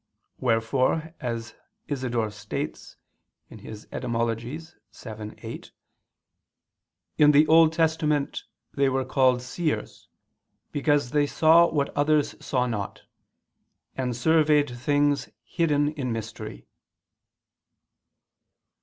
Wherefore, as Isidore states (Etym. vii, 8), "in the Old Testament, they were called Seers, because they saw what others saw not, and surveyed things hidden in mystery."